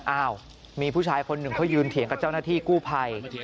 อ้าวมีผู้ชายคนหนึ่งเขายืนเถียงกับเจ้าหน้าที่กู้ภัย